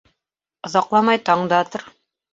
Оҙаҡламай таң да атыр.